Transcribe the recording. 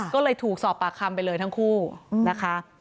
ก็เลยถูกสอบปากคำไปเลยทั้งคู่นะคะ